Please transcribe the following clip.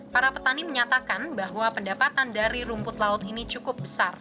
para petani menyatakan bahwa pendapatan dari rumput laut ini cukup besar